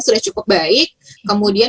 sudah cukup baik kemudian